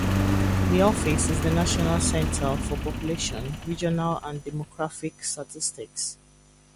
The office is the national centre for population, regional and demographic statistics.